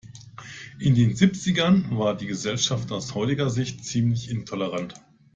In den Siebzigern war die Gesellschaft aus heutiger Sicht ziemlich intolerant.